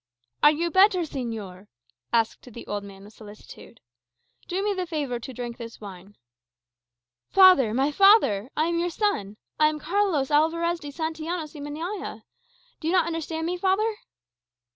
_" "Are you better, señor?" asked the old man with solicitude. "Do me the favour to drink this wine." "Father, my father! I am your son. I am Carlos Alvarez de Santillanos y Meñaya. Do you not understand me, father?"